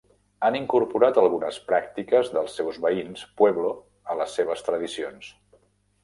Han incorporat algunes pràctiques dels seus veïns Pueblo a les seves tradicions.